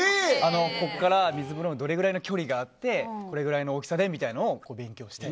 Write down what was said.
ここから水風呂にどれぐらい距離があってこれぐらいの大きさでみたいなのを勉強して。